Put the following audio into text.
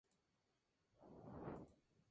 Todas instituciones cubanas